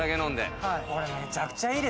これめちゃくちゃいい。